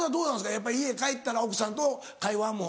やっぱ家帰ったら奥さんと会話も弾む？